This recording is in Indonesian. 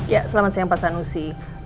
ya selamat siang pak sanusi